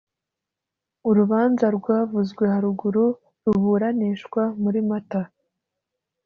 urubanza rwavuzwe haruguru ruburanishwa muri mata